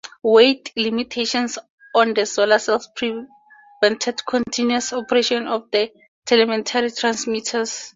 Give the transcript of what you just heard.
Weight limitations on the solar cells prevented continuous operation of the telemetry transmitters.